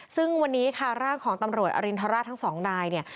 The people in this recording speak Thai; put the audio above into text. ซึ่งวันนี้คาร่างของตำรวจอรินทราชทั้ง๒นาย